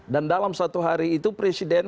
dan dalam satu hari itu presiden